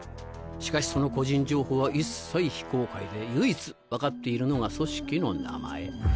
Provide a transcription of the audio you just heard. しかしその個人情報は一切非公開で唯一分かっているのが組織の名前。